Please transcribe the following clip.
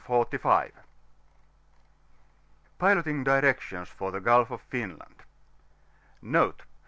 B I to ^\^ PILOTING DIRECTIONS FOB THE GULF OF FINLAND Note.